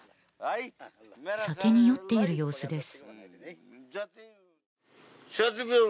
酒に酔っている様子です